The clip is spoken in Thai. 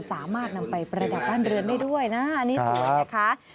สามารถนำไปประดับบ้านเรือนได้ด้วยนะอันนี้สวยนะคะ